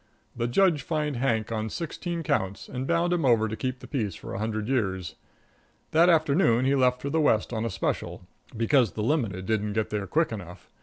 The Judge fined Hank on sixteen counts and bound him over to keep the peace for a hundred years. That afternoon he left for the West on a special, because the Limited didn't get there quick enough.